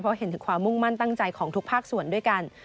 เพราะเห็นถึงความมุ่งมั่นตั้งใจของทุกภาคส่วนด้วยกัน